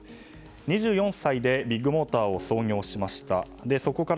２４歳でビッグモーターを創業しました。